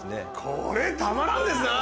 これたまらんですな！